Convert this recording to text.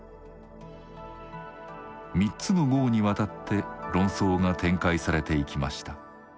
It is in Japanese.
３つの号にわたって論争が展開されていきました。